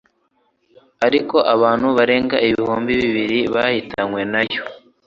ariko abantu barenga ibihumbi bibiri bahitanywe nayo